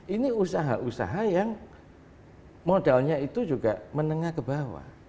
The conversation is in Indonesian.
ini usaha usaha yang modalnya itu juga menengah ke bawah